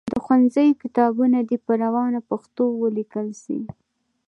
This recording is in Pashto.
د ښوونځیو کتابونه دي په روانه پښتو ولیکل سي.